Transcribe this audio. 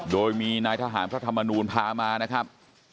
โดยมีนายทหารพระธรรมนูลพามานะครับ